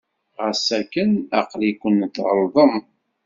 Ɣas akken, aql-iken tɣelḍem.